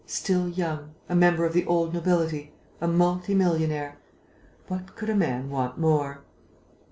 "Still young, a member of the old nobility, a multi millionaire: what could a man want more?"